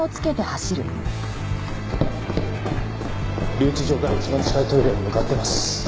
留置場から一番近いトイレに向かってます。